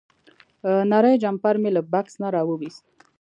نری جمپر مې له بکس نه راوویست.